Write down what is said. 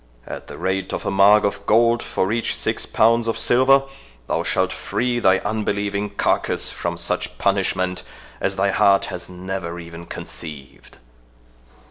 At the rate of a mark of gold for each six pounds of silver, thou shalt free thy unbelieving carcass from such punishment as thy heart has never even conceived."